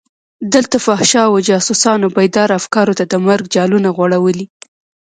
دلته فحاشو جاسوسانو بېداره افکارو ته د مرګ جالونه غوړولي.